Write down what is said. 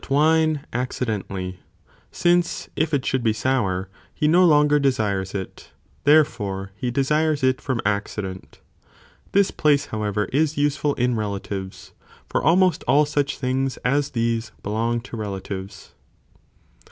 ᾿ wine accidentally, since if it should be sour, he no longer de sires it, therefore he desires it from accident. This place however is useful in relatives, for almost all such things as these, belong to relatives.